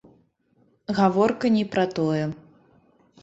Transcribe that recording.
Гаворка не пра тое.